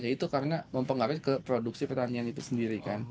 ya itu karena mempengaruhi ke produksi pertanian itu sendiri kan